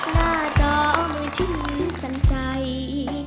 หน้าจอมือที่มือสั่นใจ